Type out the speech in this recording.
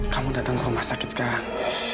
kamu datang ke rumah sakit sekarang